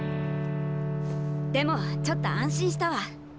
でもちょっと安心したわ。